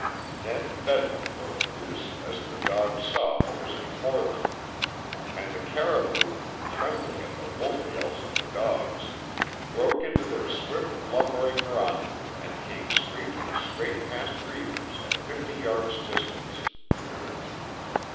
Then bedlam broke loose as the dogs saw what was before them. And the caribou, trembling at the wolf yells of the dogs, broke into their swift, lumbering run and came streaking straight past Reivers at fifty yards' distance.